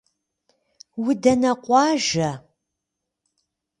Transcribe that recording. Удэнэ къуажэ?